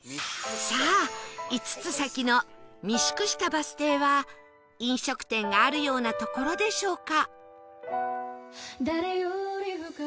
さあ５つ先の御宿下バス停は飲食店があるような所でしょうか？